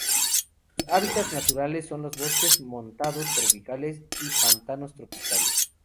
Sus hábitats naturales son los bosques montanos tropicales y pantanos tropicales.